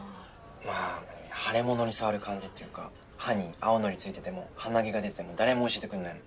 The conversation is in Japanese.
まぁ腫れ物に触る感じっていうか歯に青のり付いてても鼻毛が出てても誰も教えてくれないの。